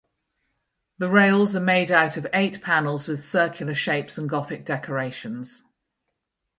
The rails are made out of eight panels with circular shapes and Gothic decorations.